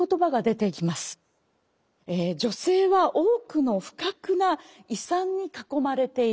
「女性は多くの不覚な違算に囲まれている」。